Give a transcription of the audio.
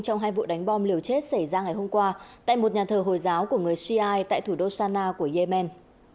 trong hai vụ đánh bom liều chết xảy ra ngày hôm qua tại một nhà thờ hồi giáo của người siai tại thủ đô sana của yemen